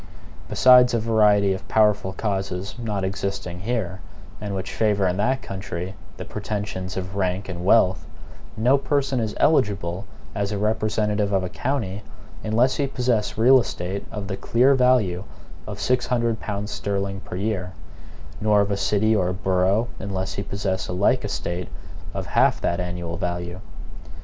Besides a variety of powerful causes not existing here, and which favor in that country the pretensions of rank and wealth, no person is eligible as a representative of a county, unless he possess real estate of the clear value of six hundred pounds sterling per year; nor of a city or borough, unless he possess a like estate of half that annual value.